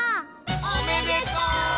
おめでとう！